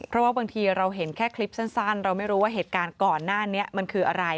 เพราะว่าบางทีเราเห็นแค่คลิปสั้นเราไม่รู้ว่าเหตุการณ์ก่อนหน้านี้มันคืออะไร